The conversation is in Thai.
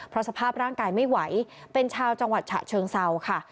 เพราะสภาพร่างกายไม่ไหวเป็นชาวจังหวัดฉะเชิงเศร้าค่ะ